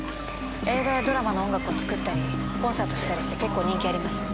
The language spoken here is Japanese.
映画やドラマの音楽を作ったりコンサートしたりして結構人気あります。